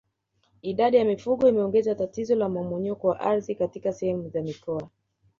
Idadi ya mifugo imeongeza tatizo la mmomonyoko wa ardhi katika sehemu za mkoa